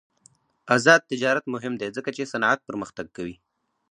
آزاد تجارت مهم دی ځکه چې صنعت پرمختګ کوي.